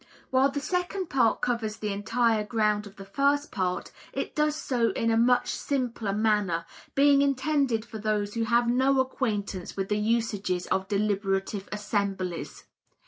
While the second part covers the entire ground of the first part, it does so in a much simpler manner, being intended for those who have no acquaintance with the usages of deliberative assemblies.